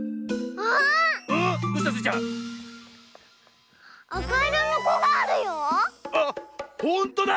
あっほんとだ！